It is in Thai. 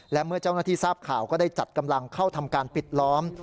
และเมื่อเจ้าหน้าที่ทราบข่าวก็ได้จัดกำลังเข้าทำการปิดล้อม